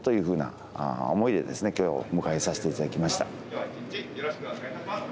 今日は一日よろしくお願いいたします。